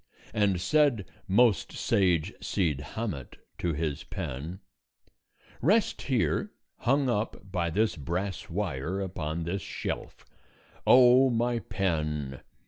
And said most sage Cid Hamet to his pen: "Rest here, hung up by this brass wire, upon this shelf. O my pen!